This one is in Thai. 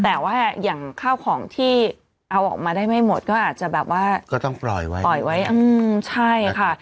แต่ว่าอย่างข้าวของที่เอาออกมาได้ไม่หมดก็อาจจะแบบว่าก็ต้องปล่อยไว้ปล่อยไว้อืมใช่ค่ะ